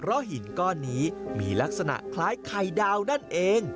เพราะหินก้อนนี้มีลักษณะคล้ายไข่ดาวนั่นเอง